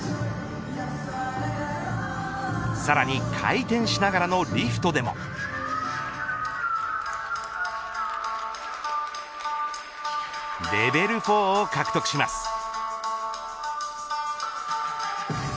さらに回転しながらのリフトでもレベル４を獲得します。